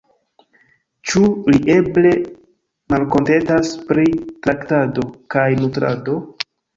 Ĉu li eble malkontentas pri traktado kaj nutrado?